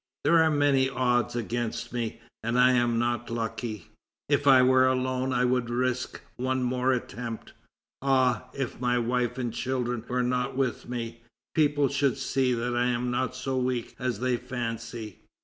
There are many odds against me, and I am not lucky. If I were alone I would risk one more attempt. Ah! if my wife and children were not with me, people should see that I am not so weak as they fancy.